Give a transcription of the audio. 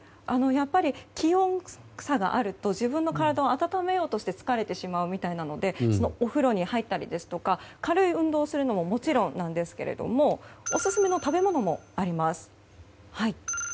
やっぱり、気温差があると自分の体を温めようとして疲れてしまうみたいなのでお風呂に入ったりですとか軽い運動をするのももちろんなんですけどオススメの食べ物もあります。